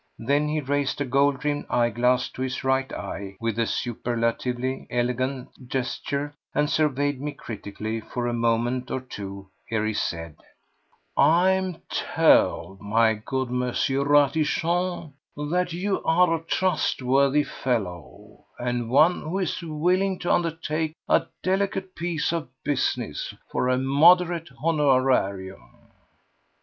Then he raised a gold rimmed eyeglass to his right eye with a superlatively elegant gesture, and surveyed me critically for a moment or two ere he said: "I am told, my good M. Ratichon, that you are a trustworthy fellow, and one who is willing to undertake a delicate piece of business for a moderate honorarium."